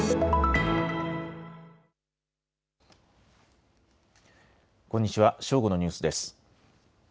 正午のニュースです。